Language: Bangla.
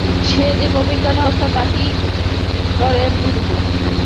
সে যে কমিক গানে ওস্তাদ তা কী করে বুঝব।